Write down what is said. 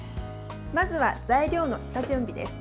まずは材料の下準備です。